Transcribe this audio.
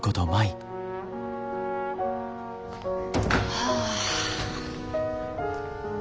はあ。